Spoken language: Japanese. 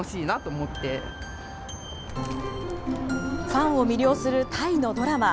ファンを魅了するタイのドラマ。